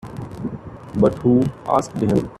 But who asked him?